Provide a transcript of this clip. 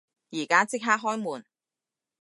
而家即刻開門！